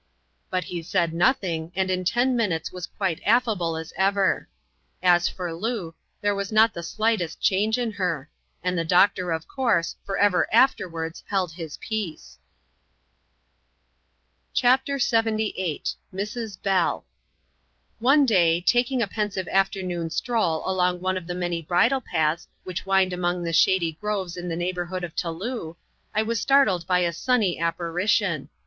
But he said nothing, and in ten minutes was quite affable as ever. As for Loo, there was not the sligMest change in her ; and the doctw, of course, for ever afterwards held his peace. 300 ADVENTURES IN THE SOUTH SEAS. [chaf. Lxxvm. CHAPTER LXXVm. Mrs.BelL Oke day, taking a pensive afternoon stroll along one of the manj bridle paths which wind among the shady groves in the neighbourhood of Taloo, I was startled by a sunny apparition.